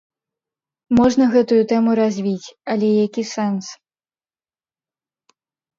Можна гэтую тэму развіць, але які сэнс?